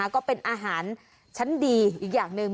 ก็เป็นอาหารชั้นดีอีกอย่างหนึ่ง